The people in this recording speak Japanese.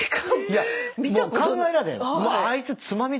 いやもう考えられない。